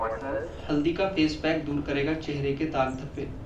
हल्दी का face pack दूर करेगा चेहरे के दाग-धब्बे...